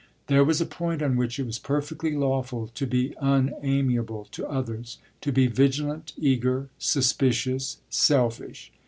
That was a point on which it was perfectly lawful to be unamiable to others to be vigilant, eager, suspicious, selfish.